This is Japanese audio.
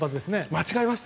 間違えました？